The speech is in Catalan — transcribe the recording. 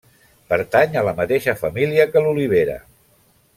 Pertany a la mateixa família que l'olivera.